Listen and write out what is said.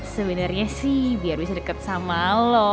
sebenarnya sih biar bisa deket sama lo